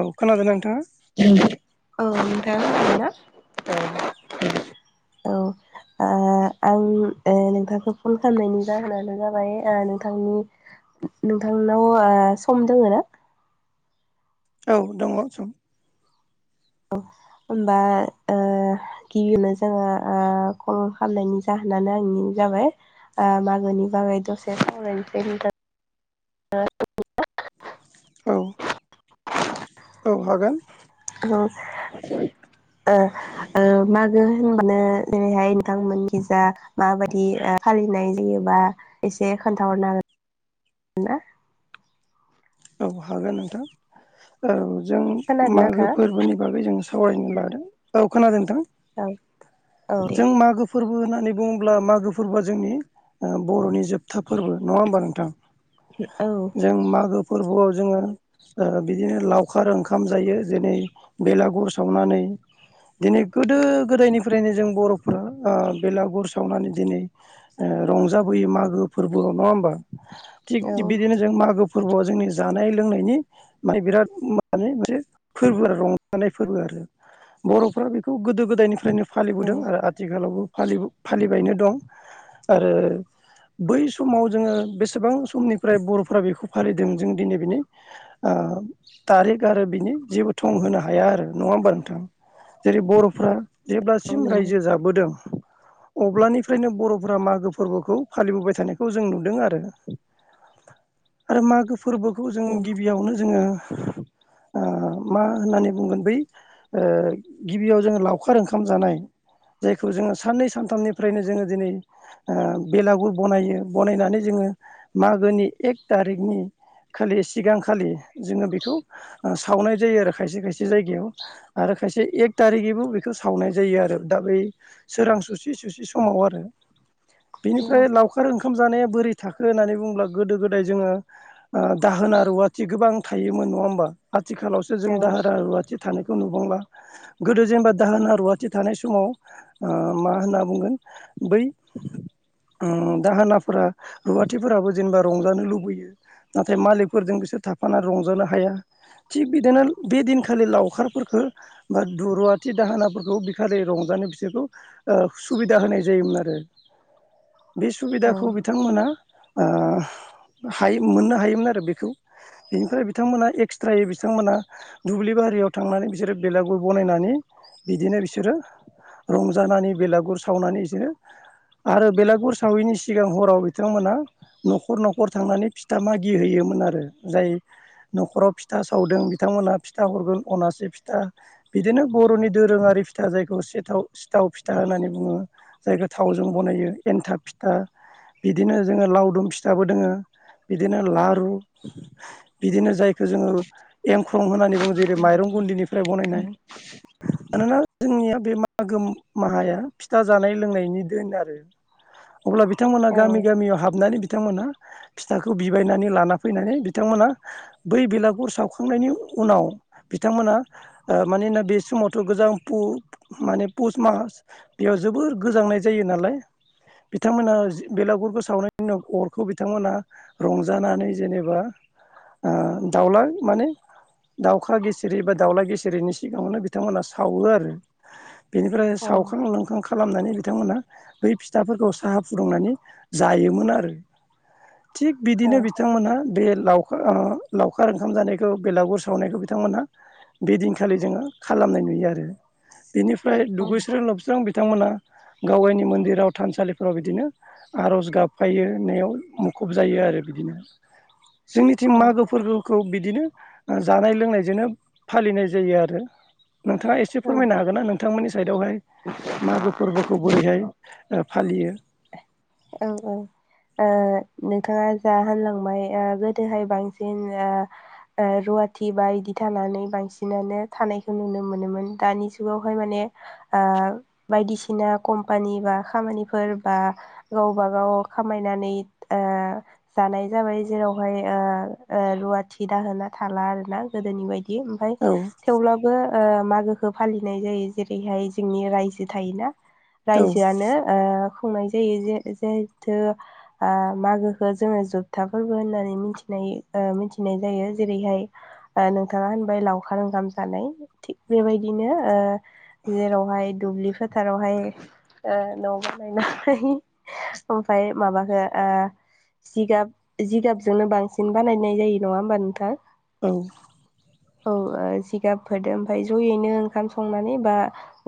औ खोनादोना नोंथाङा औ नोंथांआ खोनादोना औ औ ओ आं ओ नोंथांखौ फन खालामनायनि जाहोनानो जाबाय नोंथांनि नोंथांनाव आ सम दङ ना औ दङ सम औ होमबा ओ गिबियावनो ओ जोङो कल खालामनायनि जाहोन होननानै आंनि जाबाय ओ मागोनि बागै दसे सावरायनिसै नोंथां [unintelligible] औ औ हागोन उम ओ ओ मागो होनबानो जेरैहाय नोंथांमोननिजा माबादि ओ फालिनाय जायो बा एसे खोन्थाहरनो हागोनना औ हागोन नोंथां औ जों खोनादोंना मागो नोंथाङा? फोरबोनि बागै जों स सावरायनो लादों औ खोनादों औ औ नोंथां दे जों मागोफोर फोरबो होननानै बुङोब्ला मागो फोरबोआ जोंनि ओ बर'नि जोबथा फोरबो नङा होमबा नोंथां औ जों मागो फोरबोआव जोङो ओ बिदिनो लावखार ओंखाम जायो जेरै बेलागुर सावनानै दिनै गोदो गोदायनिफ्रायनो जों बर'फोरा ओ बेलागुर सावनानै दिनै ओ ओ रंजाबोयो मागो फोरबो नङा होमबा थि औ बिदिनो जों मागो फोरबोआव जोंनि जानाय लोंनायनि माने बिराद मानि मोनसे फोरबो आरो रंजानाय फोरबो आरो बर'फ्रा बेखौ गोदो गोदायनिफ्रायनो औ फालिबोदों ओ आथिखालावबो फालि फालिबायनो दं आरो बै समाव जोङो बेसेबां समनिफ्राय बर'फोरा बेखौ फालिदों जों जों दिनै बिनि थारिख आरो बिनि जेबो थं होनो हाया आरो नङा होमबा नोंथां नोंथां जेरै बर'फ्रा औ जेब्लासिम नंगौ रायजो जाबोदों अब्लानिफ्रायनो बर'फोरा मागो फोरबोखौ फालिबोबाय थानायखौ जों नुदों आरो [inaudible] आरो मागो फोरबोखौ जों औ गिबियावनो जोङो [unintelligible] ओ मा होननानै बुंगोन बै ओ गिबियाव जोङो लावखार ओंखाम जानाय जायखौ जोङो साननै सानथामनिफ्रायनो जोङो दिनै ओ बेलागुर बनायो बनायनानै जोङो मागोनि एक थारिकनि खालि सिगांखालि जोङो बेखौ ओ सावनाय जायो आरो खायसे खायसे जायगायाव आरो खायसे एक थारिखैबो बेखौ सावनाय जायो आरो दा बै सोरां सुसि सुसि समाव आरो बेनिफ्राय लावखार ओंखाम जानाया बोरै थाखो होननानै बुंङोब्ला गोदो गोदाय जोङो ओ दाहोना रुवाथि गोबां थायोमोन नङा होमबा आथिखालावसो औ जों दाहोना रुवाथि थानायखौ नुुबांला गोदो जेनेबा दाहोना रुवाथि थानाय समाव मा होनना बुंगोन बै ओम दाहोनाफोरा रुवाथिफोराबो जेनेबा रंजानो लुबैयो नाथाय मालिखफोरजों बिसोर थाफाना रंजानो हाया थिग बिदिनो बे दिनखालि लावखारफोरखौ बा दुरुवाथि दाहोनाफोरखौ बिखालि रंजा बिसोरखौ ओ सुबिदा होनाय जायोमोन आरो [inaudible] बे औ सुबिदाखौ बिथांमोना ओ हायो मोननो हायोमोन आरो बेखौ बेनिफ्राय बिथांमोना एक्सट्रायै बिथांमोना दुब्लि बारियाव थांनानै बिसोरो बेलागुर बनायनानै बिदिनो बिसोरो रंजानानै बेलागुर सावनानै बिसोरो आरो बेलागुर साविनि सिगां हराव बिथांमोना न'खर न'खर थांनानै फिथा मागि हैयोमोन आरो जाय न'खराव फिथा सावदों बिथांमोनहा फिथा हरगोन अना से फिथा बिदिनो बर'नि दोरोङारि फिथा जायखौ सिथाव सिथाव फिथा होननानै बुङो जायखौ थावजों बनायो एन्थाब फिथा बिदिनो जोङो लावदुम फिथाबो दोङो बिदिनो लारु बिदिनो जाय जोङो एंख्रं होननानै बुङो जेरै माइरं गुदिनिफ्राय बनायनाय मानोना जोंनिया बे मागो माहाया फिथा जानाय लोंनायनि दोन आरो अब्ला बिथांमोना औ गामि गामियाव हाबनानै बिथांमोना फिथाखौ बिबायनानै लाना फैनानै बिथांमोना बै बेलागुर सावखांनायनि उनाव बिथांमोना मानोना बे समावथ' गोजां माने पुस मास बेयाव जोब बोर गोजांनाय जायो नालाय बिथांमोना बेलागुरखौ सावनायनि उनाव अरखौ बिथांमोना रंजानानै जेनेबा ओ दाउला माने दाउखा गे गेसेरैबा दाावला गेसेरैनि सिगाङावनो बिथांमोना सावो आरो बेनिफ्राय औ सावखां लोंखां खालामनानै बिथांमोनहा बै फिथाफोरखौ साहा फुदुंनानै जायोमोन आरो [inaudible] थिग औ बिदिनो बिथांमोनहा बेल लावखार लावखार ओंखाम जानायखौ बेलागुर सावनायखौ बिथांमोनहा बेदिनखालि जोङो खालामनाय नुयो आरो बेनिफ्राय दुगैस्रो लबस्रां बिथांमोना गावा गावनि मन्दिराव थानसालिफोराव बिदिनो आर'ज गाबफैयो [unintelligible] खबजायो आरो बिदिनो जोंनिथिं मागो फोरबो। बिदिनो जानाय लोंनायजोंनो फालिनाय जायो आरो। नोंथाङा एसे औ फोरमायनो हागोन ना नोंथांमोननि साइदआवहाय मागो फोरबोखौ बोरैहाय। फालियो औ औ ओ नोंथाङा जा होनलांबाय ओ गोदोहाय ओ बांसिन र बाटि इदि थानानै बांसिनानो थानायखौ नुनो मोनोमोन दानि जुगावहाय माने। [unintelligible] बायदिसिना कम्पानि बा खामानिफोर बा गावबागाव खामायनानै ओ जानाय जाबाय जेरावहाय। रुवाथि दाहोना थाला आरोना गोदोनि बायदि ओमफ्राय औ थेवब्लाबो। मागोखौ फालिनाय जायो जेरैहाय जोंनि रायजो थायोना औ रायजोआनो। खुंनाय जायो जे जिहेथु मागोखौ जोङो जोबथाफोरबो होननानै मिथिनाय ओ मिथि मिथिनाय जायो जेरैहाय ओ नोंथाङा होनबाय लावखार ओंगाम जानाय थिग बेबायदिनो ओ। जेरावहाय दुब्लि फोथारावहाय न' बानायनानै। ओमफ्राय माबाखो। जिगाब जिगाबजोंनो बांसिन बानायनाय जायो नङा होमबा नोंथां? औ औ जिगाब फोरजों ओमफ्राय जयैनो ओंखाम संनानै बा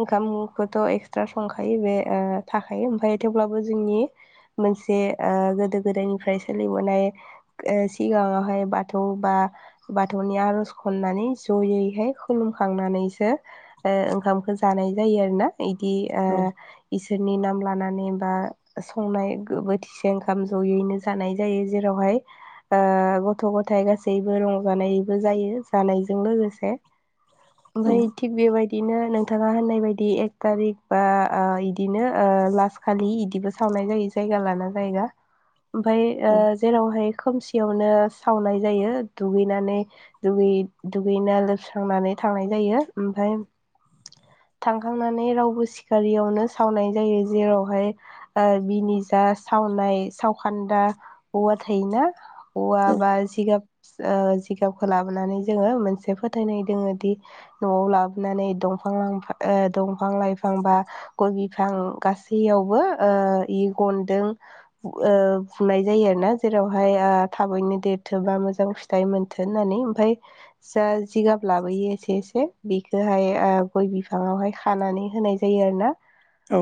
ओंखामखौथ' एक्सट्रा संखायो। नैबे ओ थाखायो ओमफ्रायथ। होमबाबो जोंनि मोनसे गोदो गोदायनिफ्राय सोलिबोनाय सिगांङाव। हाय बाथौ बा बाथौनि आर'ज खननानै जयैहाय खुलुमखांनानैसो। ओंखामखौ जानाय जायो आरो ना बिदि औ इसोरनि नाम लानानै। बा संनाय बोथिसे ओंखाम जयैनो जानाय जायो जेरावहाय। गथ' गथाय गासैबो रंजानायबो जायो जानायजों लोगोसे। औ ओमफ्राय थिक बेबायदि। बिदिनो नोंथाङा होननाय बायदि एक थारिक बा ओ इदिनो लास्। खालि इदिबो सावनाय जायो जायगा लाना जायगा ओमफफ्राय ओ जेरावहाय। खोमसियावनो सावनाय जायो दुगैनानै दुगै दुगैना लोबस्रांनानै। थांनाय जायो ओमफ्राय। थांखांनानै रावबो सिखारियावनो सावनाय जायो जेरावहाय बिनिजा। सावनाय सावखान्दा औवा थायोना औवा औ बा जिगाब। ओ जिगाबखौ लाबोनानै जोङो मोनसे फोथायनाय दोङो दि न'आव लाबोनानै दंफां लां दंफां लाइफां बा गय बिफां गासैयावबो गनदों। ओ बुनाय जायो आरोना जेरावहाय थाबैनो देरथोंबा मोजां फिथाइ मोन। [unintelligible] ओमफ्राय जा जिगाब लाबोयो इसे इसे बेखोहाय आं गय- बिफांआवहाय खानानै होनाय जायो आरो ना औ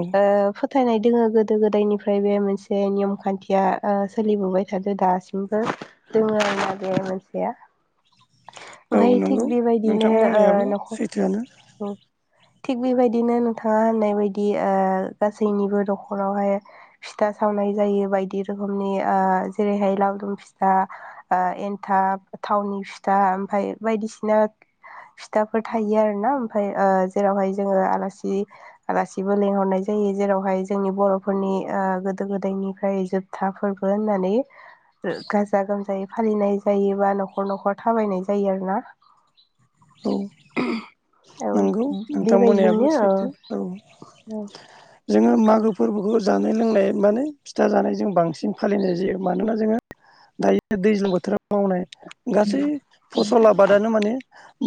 फोथायनाय। जोङो गोदो गोदायनिफ्राय बे मोनसे नियम खान्थिया सोलिबोबाय थादों दासिमबो। दोंङो आरोना बे मोनसेया। औ ओमफ्राय नंगौ थिग बेबायदिनो नोंथां बुंनायाबो नखर। सैथोआनो थिग बेबायदिनो नोंथाङा होननाय बायदि ओ गासैनिबो नखरावहाय फिथा। सावनाय जायो बायदि रोखोमनि ओ जेरैहाय लावदुम फिथा एन्थाब। थावनि फिथा ओमफ्राय बायदिसिना फिथाफोर थायो आरो ना ओमफ्राय ओ। जेरावहाय जोङो आलासि आलासिबो लेंहरनाय जायो जेरावहाय जोंनि बर'फोरनि। गोदो गोदायनिफ्राय जोबथा फोरबो होननानै। गाजा गोमजायै फालिनाय जायोबा न'खर न'खर थाबायनाय जायो आरोना। औ औ नोंगौ। नोंथां बुंनायाबो सैथो औ जोङो मागो फोरबो बेफोर जानाय लोंनाय माने फिथा जानाय जों बांसिन फालिनाय जायो मानोना जोङो दायो दैज्लां बोथोराव मावनाय गासै फसल आबादानो माने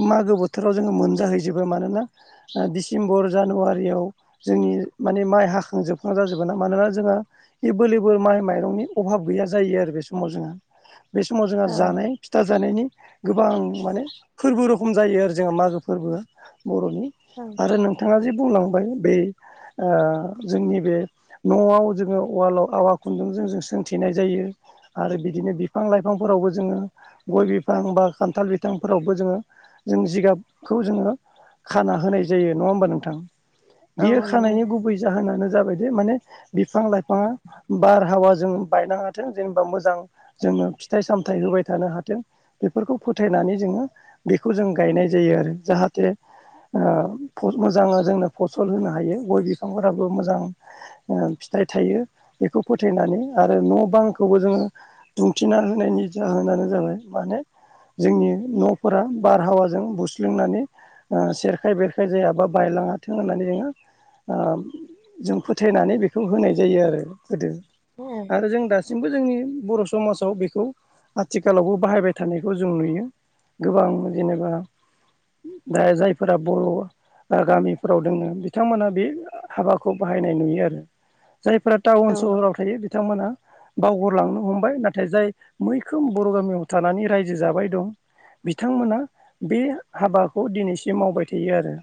मागो बोथोराव जोङो मोनजाहैजोबो मानोना डिसेम्बर जानुवारियाव जोंनि माने माइ हाखांजोबखां जाजोबो ना मानोना जोंङो एभोल लेभोल माइ माइरंनि अभाब गैया जायो आरो बे समाव जोंहा बे समाव जोंहा औ जानाय फिथा जानायनि गोबां माने फोरबो रखोम खम जायो आरो जोंहा मागो फोरबोआ बर'नि औ आरो नोंथाङा जे बुंलांबाय बे ओ जोंनि बे न'आव जोङो उवालाव आवा खुनदुंजों ज जों जों सोंथिनाय जायो आरो बिदिनो बिफां लाइफांफोरावबो जोङो गय बिफां बा खान्थाल बिफांफोरावबो जोङो जों जिगाबखौ जोङो खाना होनाय जायो नङा होमबा नोंथां बेयो औ नंगौ खानायनि गुबै जाहोनानो जाबाय दे माने बिफां लाइफाङा बारहावा ज [unintelligible] बायनो हाथों जेनेबा मोजां जोङो फिथाइ सामथ होबाय थानो हाथों बेफोरखौ फोथायनानै नानै जोङो बेखौ जों गायनाय जायो आरो जाहाथे मोजाङ जोंनो फसल होनो हायो गय बिफांफोराबो मोजां फिथथाय थायो बेखौ फोथायनानै आरो न' बांखौबो जोङो बुंन्थिना होनायनि जाहोनाव जाबाय माने जोंनि न'फोरा बारहावाजों बुसलिंनानै सेरखाय बेरखाय जायाबा बायलाङाथों होननानै जोङो जों फोथायनानै बेखौ होनाय जायो आरो गोदो औ आरो जों दासिमबो जोंनि बर' समाजाव बेखौ आथिखालावबो बाहायबाय थानायखौ जों नुयो गोबां जेनेबा दा जायफोरा बर' गामिफोराव दोंनो बिथांमोना बे हाबाखौ बाहायनाय नुयो आरो जायफोरा टाउन औ सहराव थायो बिथांमोना बावगारलांनो हमबाय नाथाय जाय मैखोम बर' गामियाव थानानै रायजो जाबाय दं बिथांमोना बे हाबाखौ दिनैसिम मावबाय थायो आरो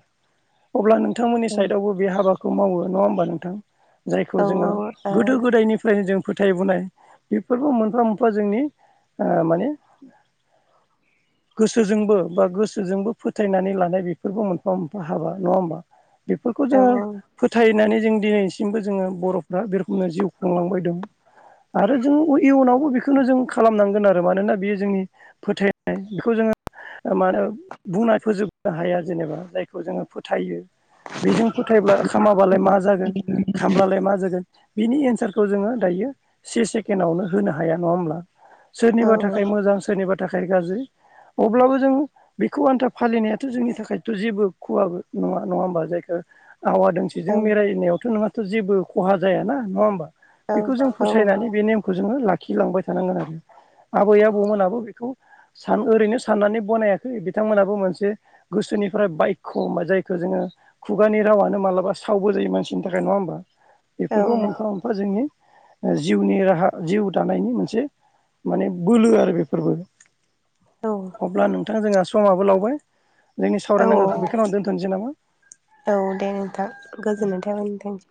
अब्ला नोंथांमोननि साइडआवबो बे हाबाखौ मावो नङा होमबा नोंथां औ जायखौ जोङो गोदो गोदायनिफ्रायनो जों फोथ फिथाइ बुनाय बेफोरबो मोनफा मोनफा जोंनि माने गोसोजोंबो बा गोसोजोंबो फोथायनानै लानाय बेफोरबो मोनफा मोनफा हाबा नङा होमबा बेफोरखौ जोङो औ औ फोथायनानै जों दिनैसिमबो जोङो बर'फ्रा बे रोखोमनो जिउ खुंलांबाय दं आरो जों इयुनावबो बेखौनो जों खालामनांगोन आरो मानोना बेयो जोंनि फोथायनाय बेखौ जोङो मा होनो बुंना फोजोबनो हाया जेनेबा जायखौ जोङो फोथायो [inaudible] बेजों फोथायब्ला खामाबालाय मा जागोन खामब्लालाय मा जागोन बिनि एन्सारखौ जोङो दायो से सेकेणडआवनो होनो हाया नङा होमब्ला सोरनिबा थाखाय मोजां सोरनिबा थाखाय गाज्रि अब्लाबो जों बेखौ आन्था फालिनायाथ' जोंनि थाखायथ' जेबो खुवाबो नङा नङा होमबा जायखौ आा [unintelligible] दोंसेजों बेरायनायावथ' नोंहाथ' जेबो खहा जाय ना नङा होमबा बेखौ जों फोसायनानै बे नेमखौ जोङो लाखिलांबाय थायो थानांगोन आरो आबै आबौमोनाबो बेखौ सान ओरैनो साननानै बनायाखै बिथांमोनाबो मोनसे गोसोनिफ्राय बाय' ब जायखौ जोङो खुगानि रावानो मालाबा सावबो जायो मानसिनि थाखाय नङा होमबा बेफोरखौ मोनफा मोनफा जोंनि जिउनि राहा जिउ दानायनि मोनसे माने बोलो आरो बेफोरबो अब्ला नोंथांा [unintelligible] जोंहा समाबो लावबाय जोंनि सावरायनांगौखौ औ बेखौनो आं दोनथ'नोसै नामा औ दे नोंथां गोजोननाय थाबाय नोंथां इउ